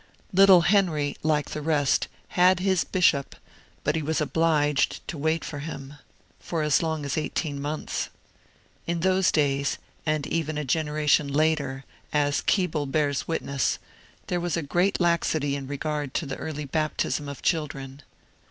Little Henry, like the rest, had his bishop; but he was obliged to wait for him for as long as eighteen months. In those days, and even a generation later, as Keble bears witness, there was great laxity in regard to the early baptism of children.